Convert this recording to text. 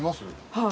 はい。